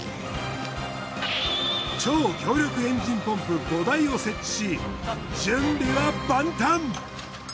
超強力エンジンポンプ５台を設置し準備は万端！